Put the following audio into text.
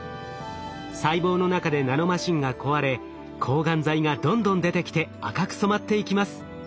細胞の中でナノマシンが壊れ抗がん剤がどんどん出てきて赤く染まっていきます。